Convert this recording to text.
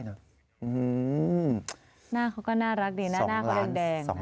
หน้าเขาก็น่ารักดีหน้าเขาแดงนะ